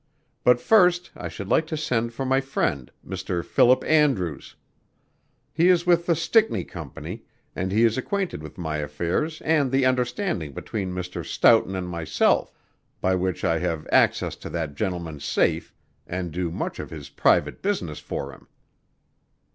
But first I should like to send for my friend, Mr. Philip Andrews. He is with the Stickney Company, and he is acquainted with my affairs and the understanding between Mr. Stoughton and myself by which I have access to that gentleman's safe and do much of his private business for him."